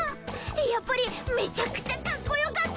やっぱりめちゃくちゃかっこよかった！